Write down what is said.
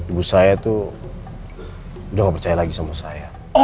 ibu saya itu udah gak percaya lagi sama saya